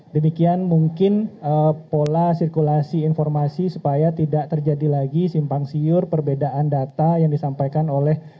demikian mungkin pola sirkulasi informasi supaya tidak terjadi lagi simpang siur perbedaan data yang disampaikan oleh